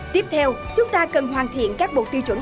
tiếp theo chúng ta cần hoàn thiện các bộ tiêu chuẩn